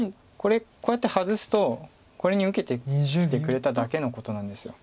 これこうやって外すとこれに受けてきてくれただけのことなんです。